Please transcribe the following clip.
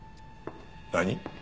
何？